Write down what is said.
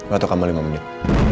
waktu kamu lima menit